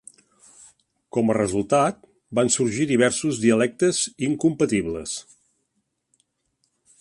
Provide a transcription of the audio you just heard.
Com a resultat, van sorgir diversos dialectes incompatibles.